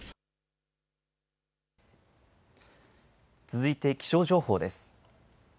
続いて気象情報です。